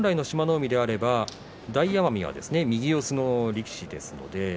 海であれば大奄美は右四つの力士です。